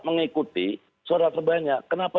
mengikuti surat sebanyak kenapa